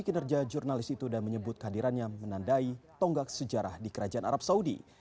kinerja jurnalis itu dan menyebut kehadirannya menandai tonggak sejarah di kerajaan arab saudi